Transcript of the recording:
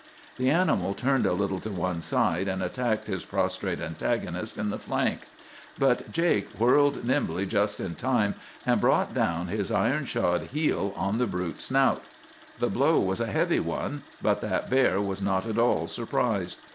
"The animal turned a little to one side, and attacked his prostrate antagonist in the flank; but Jake whirled nimbly just in time, and brought down his iron shod heel on the brute's snout. The blow was a heavy one, but that bear was not at all surprised.